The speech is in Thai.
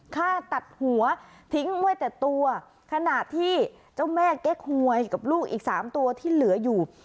ฆ่าตัดหัวทิ้งไว้แต่ตัวขณะที่เจ้าแม่เก๊กหวยกับลูกอีกสามตัวที่เหลืออยู่